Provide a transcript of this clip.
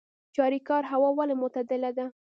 چاریکار هوا ولې معتدله ده؟